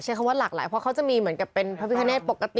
คำว่าหลากหลายเพราะเขาจะมีเหมือนกับเป็นพระพิคเนตปกติ